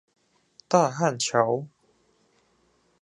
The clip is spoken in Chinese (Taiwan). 大漢橋